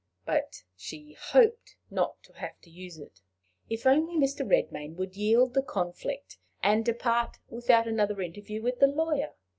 But she hoped not to have to use it. If only Mr. Redmain would yield the conflict, and depart without another interview with the lawyer!